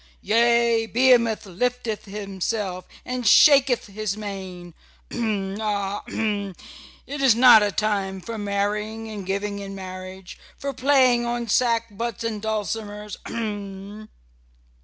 Yea, Behemoth lifteth himself and shaketh his mane h m! ah! h m! It is not a time for marrying and giving in marriage, for playing on sackbuts and dulcimers h m!"